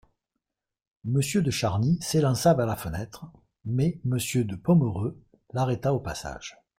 Monsieur de Charny s'élança vers la fenêtre, mais Monsieur de Pomereux l'arrêta au passage.